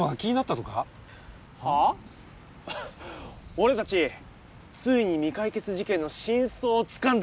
俺たちついに未解決事件の真相をつかんだんですよ！